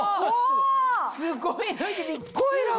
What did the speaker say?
すごいね。